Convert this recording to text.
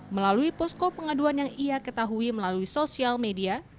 melalui posko pengaduan yang ia ketahui melalui sosial media